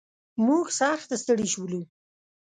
موږ سخت ستړي شولو.